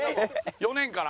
４年から。